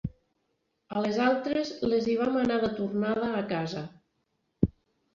A les altres les hi va manar de tornada a casa.